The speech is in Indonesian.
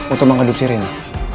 untuk mengadopsi reina